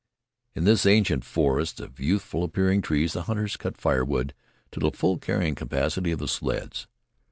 In this ancient forest of youthful appearing trees, the hunters cut firewood to the full carrying capacity of the sleds.